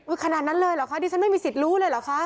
ขนาดนั้นเลยเหรอคะดิฉันไม่มีสิทธิ์รู้เลยเหรอคะ